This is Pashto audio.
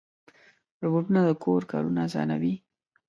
روبوټونه د کور کارونه اسانوي.